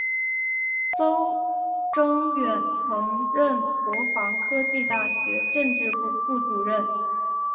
邹征远曾任国防科技大学政治部副主任。